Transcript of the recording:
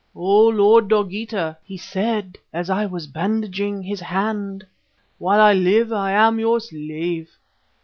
"'O Lord Dogeetah,' he said, as I was bandaging his hand, 'while I live I am your slave.